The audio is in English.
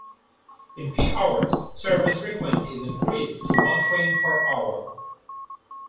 In peak hours, service frequency is increased to one train per hour.